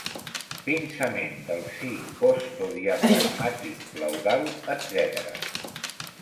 Pinçament del si costodiafragmàtic pleural, etc.